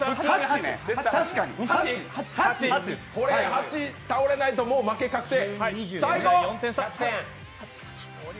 ８倒れないと負け確定。